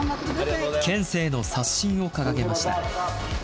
県政の刷新を掲げました。